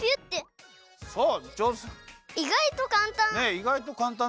いがいとかんたん。